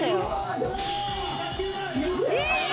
え！